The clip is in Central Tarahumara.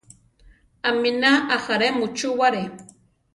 Aminá ajaré muchúware.